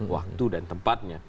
waktu dan tempatnya